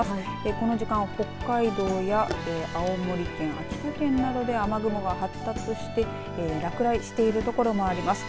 この時間、北海道や青森県、秋田県などで雨雲が発達し落雷している所もあります。